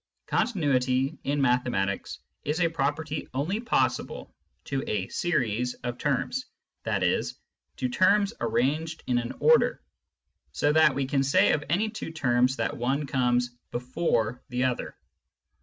Continuity, in mathematics, is a property only possible to a series of terms, i.e. to terms arranged in an order, so that we can say of any two that one comes ifefore the other.